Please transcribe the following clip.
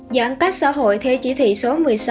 giãn cách xã hội theo chỉ thị số một mươi sáu